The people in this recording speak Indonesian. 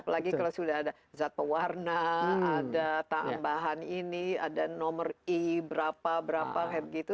apalagi kalau sudah ada zat pewarna ada tambahan ini ada nomor i berapa berapa kayak begitu